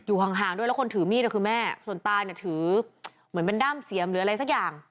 ห่างด้วยแล้วคนถือมีดคือแม่ส่วนตาเนี่ยถือเหมือนเป็นด้ามเสียมหรืออะไรสักอย่าง